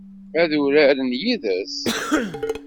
Ad uraren yid-s?